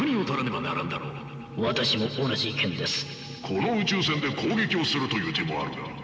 この宇宙船で攻撃をするという手もあるが。